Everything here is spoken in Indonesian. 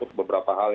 untuk beberapa hal